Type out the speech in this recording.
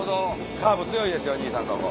カーブ強いですよ兄さんとこ。